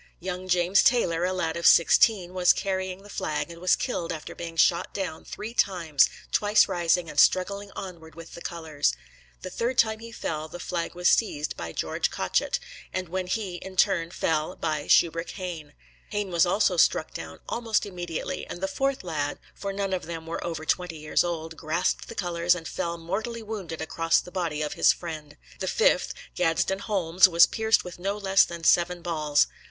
Young James Taylor, a lad of sixteen, was carrying the flag, and was killed after being shot down three times, twice rising and struggling onward with the colors. The third time he fell the flag was seized by George Cotchet, and when he, in turn, fell, by Shubrick Hayne. Hayne was also struck down almost immediately, and the fourth lad, for none of them were over twenty years old, grasped the colors, and fell mortally wounded across the body of his friend. The fifth, Gadsden Holmes, was pierced with no less than seven balls.